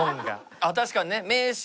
あっ確かにね。